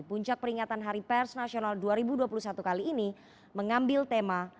puncak peringatan hari pers nasional dua ribu dua puluh satu kali ini mengambil tema